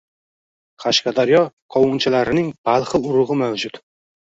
Qashqadaryo qovchinlarining balxi urug‘i mavjud.